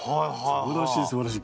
すばらしいすばらしい。